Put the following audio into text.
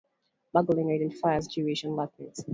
Margolin identified as Jewish and Latinx.